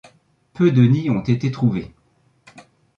Peu de nids ont été trouvés.